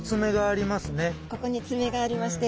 ここに爪がありまして。